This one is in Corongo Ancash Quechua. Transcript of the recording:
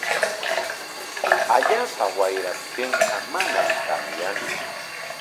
Allaapa wayraptinqa manam tamyantsu.